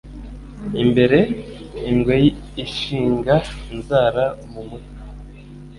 imbere ingwe iyishinga inzara mu mutwe